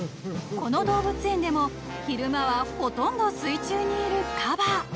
［この動物園でも昼間はほとんど水中にいるカバ］